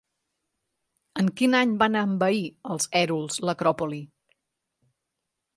En quin any van envair els hèruls l'Acròpoli?